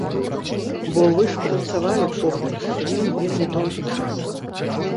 Бо вы ж працавалі поплеч з ім вельмі доўгі час.